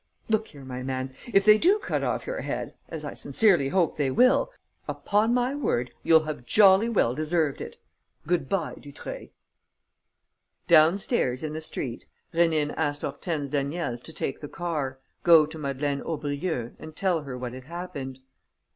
Look here, my man, if they do cut off your head as I sincerely hope they will upon my word, you'll have jolly well deserved it! Good bye, Dutreuil!" Downstairs, in the street, Rénine asked Hortense Daniel to take the car, go to Madeleine Aubrieux and tell her what had happened.